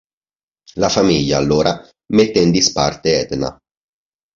La famiglia, allora, mette in disparte Edna.